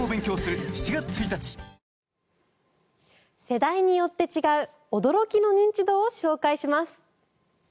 世代によって違う驚きの認知度を紹介します。